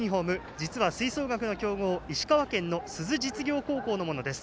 実は吹奏楽の強豪石川県のすず実業高校のものです。